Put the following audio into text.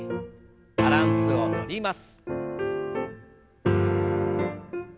バランスをとります。